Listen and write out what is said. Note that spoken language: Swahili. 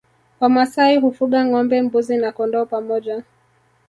Wamasai hufuga ngombe mbuzi na kondoo pamoja